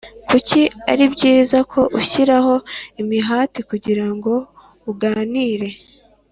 Kuki ari byiza ko ushyiraho imihati kugira ngo uganire